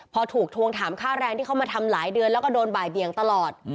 พอถูกทวงถามค่าแรงที่เขามาทำหลายเดือนแล้วก็โดนบ่ายเบียงตลอด